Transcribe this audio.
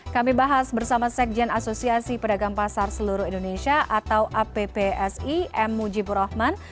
kami bahas bersama sekjen asosiasi pedagang pasar seluruh indonesia atau appsi m mujibur rahman